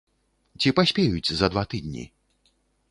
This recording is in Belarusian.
Ці паспеюць за два тыдні?